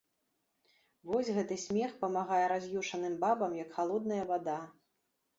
Вось гэты смех памагае раз'юшаным бабам, як халодная вада.